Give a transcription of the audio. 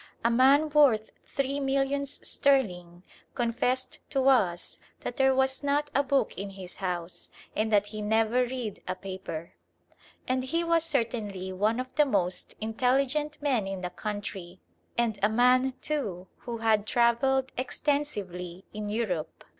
A man worth three millions sterling confessed to us that there was not a book in his house, and that he never read a paper. And he was certainly one of the most intelligent men in the country, and a man, too, who had travelled extensively in Europe.